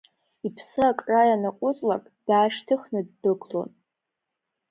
Иԥсы акра ианаҟәыҵлак даашьҭыхны ддәықәлон.